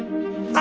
あ！